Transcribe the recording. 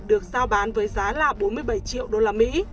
được giao bán với giá bốn mươi bảy triệu usd